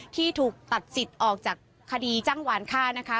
ที่ถูกตัดสิทธิ์ออกจากคดีจ้างหวานฆ่านะคะ